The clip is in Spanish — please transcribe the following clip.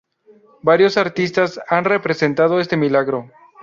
Varios artistas han representado este milagro.